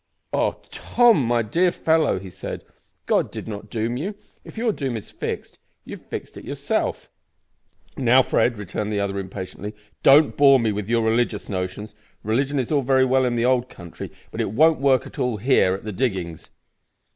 "Oh! Tom, my dear fellow," he said, "God did not doom you. If your doom is fixed, you have yourself fixed it." "Now, Fred," returned the other impatiently, "don't bore me with your religious notions. Religion is all very well in the old country, but it won't work at all here at the diggin's."